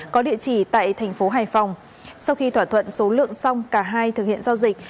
có địa chỉ tại thành phố hải phòng sau khi thỏa thuận số lượng xong cả hai thực hiện giao dịch